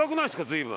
随分。